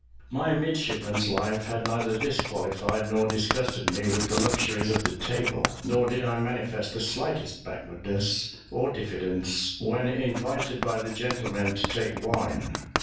My midshipman's life had neither disqualified nor disgusted me with the luxuries of the table; nor did I manifest the slightest backwardness or diffidence when invited by the gentlemen to take wine.